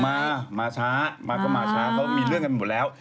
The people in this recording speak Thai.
มามาช้ามาก็มาช้าเพราะมีเรื่องกันหมดแล้ว